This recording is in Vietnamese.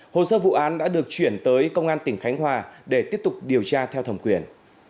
hồ sơ vụ án đã được chuyển tới công an tỉnh khánh hòa để tiếp tục điều tra theo thẩm quyền